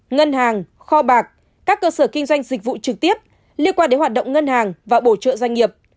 ngân hàng kho bạc các cơ sở kinh doanh dịch vụ trực tiếp liên quan đến hoạt động ngân hàng và bổ trợ doanh nghiệp